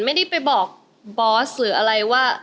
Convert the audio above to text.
ไม่ได้ไปบอกบอสหรืออะไรว่า